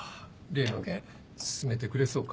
例の件進めてくれそうか？